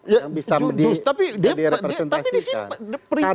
yang bisa direpresentasikan